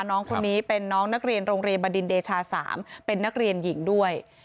น้องคนนี้เป็นน้องนักเรียนโรงเรียนบดินเดชา๓เป็นนักเรียนหญิงด้วย